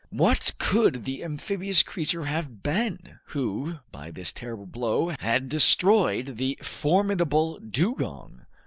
What could the amphibious creature have been, who, by this terrible blow had destroyed the formidable dugong?